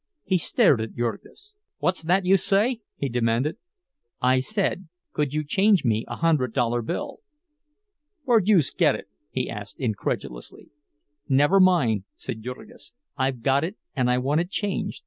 He stared at Jurgis. "What's that youse say?" he demanded. "I said, could you change me a hundred dollar bill?" "Where'd youse get it?" he inquired incredulously. "Never mind," said Jurgis; "I've got it, and I want it changed.